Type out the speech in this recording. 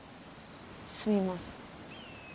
すみません。